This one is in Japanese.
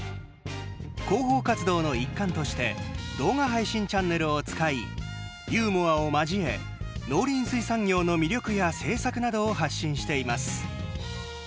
広報活動の一環として動画配信チャンネルを使いユーモアを交え農林水産業の魅力や政策などを発信しています。